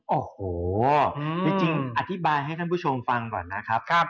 โอ้โหจริงอธิบายให้ท่านผู้ชมฟังก่อนนะครับ